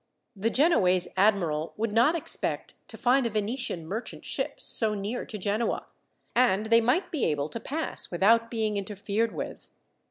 The Genoese admiral would not expect to find a Venetian merchant ship so near to Genoa, and they might be able to pass without being interfered with.